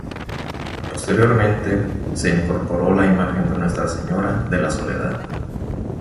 Posteriormente se incorporó la imagen de Nuestra Señora de la Soledad.